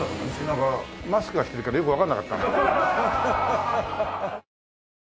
なんかマスクしてるからよくわからなかった。